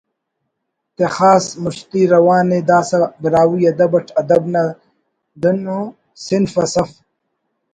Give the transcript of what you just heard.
تخسا مُستی روان ءِ داسہ براہوئی ادب اٹ ادب نا دن ءُ صنف اس اف